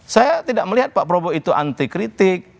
saya tidak melihat pak prabowo itu anti kritik